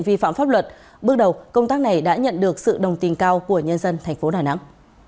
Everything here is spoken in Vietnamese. khoảng pháp luật bước đầu công tác này đã nhận được sự đồng tình cao của nhân dân tp đà nẵng